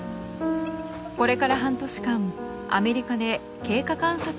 これから半年間アメリカで経過観察を行う予定です。